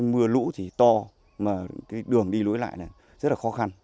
mưa lũ thì to mà cái đường đi lối lại này rất là khó khăn